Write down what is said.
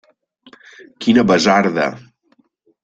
Quina basarda!